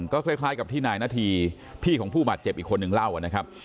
ก็คล้ายกับที่นายนาธีพี่ของผู้บาดเจ็บอีกคนนึงเล่านะครับ